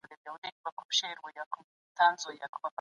که ښوونځی د سيمې ژبه ومني د زده کوونکو بېلتون ولې نه پيدا کيږي؟